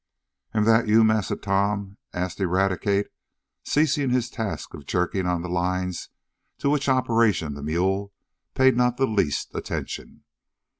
"Am dat yo', Massa Tom?" asked Eradicate, ceasing his task of jerking on the lines, to which operation the mule paid not the least attention.